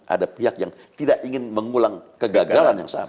ada pihak yang tidak ingin mengulang kegagalan yang sama